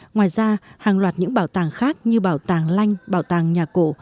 ngoài ra hàng loạt những bảo tàng khác như bảo tàng lanh bảo tàng nhà cổ